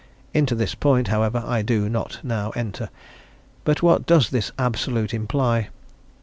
Into this point, however, I do not now enter. But what does this Absolute imply?